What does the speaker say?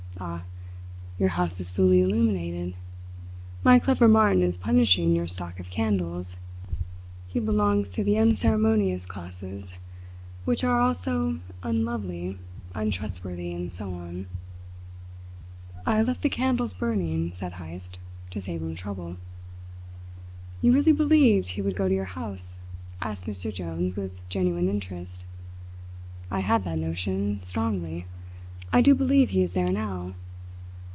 Ah, your house is fully illuminated! My clever Martin is punishing your stock of candles. He belongs to the unceremonious classes, which are also unlovely, untrustworthy, and so on." "I left the candles burning," said Heyst, "to save him trouble." "You really believed he would go to your house?" asked Mr. Jones with genuine interest. "I had that notion, strongly. I do believe he is there now."